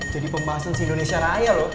jadi pembahasan si indonesia raya loh